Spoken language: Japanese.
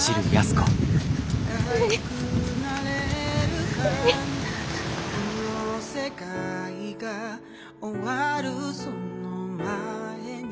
「この世界が終わるその前に」